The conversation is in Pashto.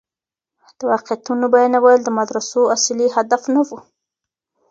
د واقعيتونو بيانول د مدرسو اصلي هدف نه و.